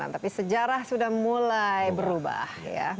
tapi sejarah sudah mulai berubah